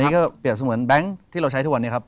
นี่ก็เปรียบเสมือนแบงค์ที่เราใช้ทุกวันนี้ครับ